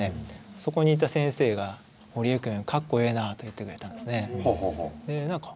そこにいた先生が「堀江君かっこええなあ」と言ってくれたんですね。